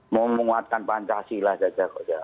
mau menguatkan pancasila dada kokja